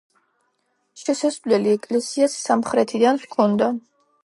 შესასვლელი ეკლესიას სამხრეთიდან ჰქონდა.